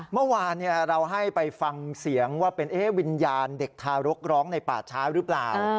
เมื่อวานเราให้ไปฟังเสียงว่าเป็นวิญญาณเด็กทารกร้องในป่าช้าหรือเปล่า